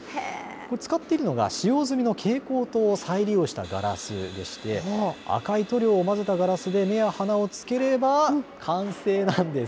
使っているのが、使用済みの蛍光灯を再利用したガラスでして、赤い塗料を混ぜたガラスで目や鼻を付ければ完成なんです。